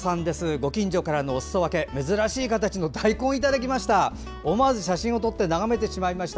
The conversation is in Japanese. ご近所からのおすそ分け珍しい形の大根をいただきました。